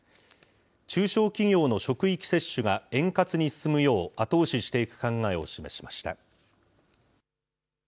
中小企業の職域接種が円滑に進むよう後押ししていく考えを示しました。